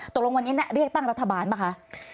ตกลงวันนี้เรียกตั้งรัฐบาลป่ะคะ